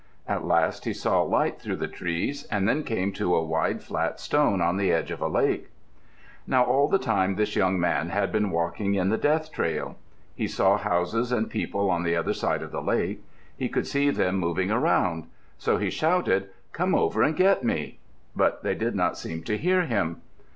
At last he saw light through the trees and then came to a wide, flat stone on the edge of a lake. Now all the time this young man had been walking in the Death Trail. He saw houses and people on the other side of the lake. He could see them moving around. So he shouted, "Come over and get me." But they did not seem to hear him.